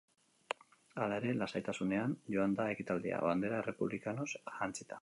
Hala ere, lasaitasunean joan da ekitaldia, bandera errepublikanoz jantzita.